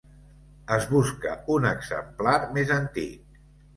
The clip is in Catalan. Es busca un exemplar més antic.